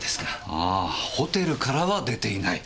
ああホテルからは出ていない。